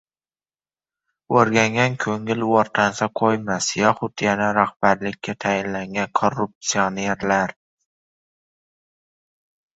O‘rgangan ko‘ngil o‘rtansa qo‘ymas yoxud yana rahbarlikka tayinlangan korruptsionerlar